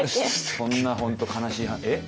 そんな本当悲しいえ？